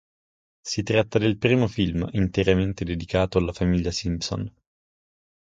Si tratta del primo film interamente dedicato alla famiglia Simpson.